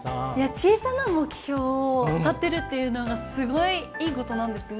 小さな目標を立てるっていうのがすごいいいことなんですね。